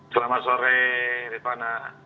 selamat sore ritwana